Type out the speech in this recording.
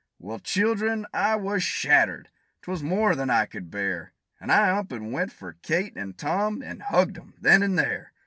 Well, children, I was shattered; 'twas more than I could bear And I up and went for Kate an' Tom, and hugged 'em then and there!